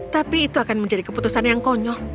tapi itu akan menjadi keputusan yang konyol